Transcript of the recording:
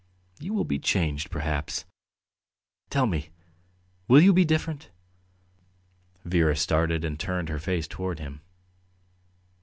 You will be changed, perhaps .... Tell me, will you be different?" Vera started and turned her face towards him.